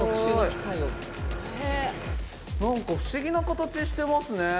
なんか不思議な形してますね。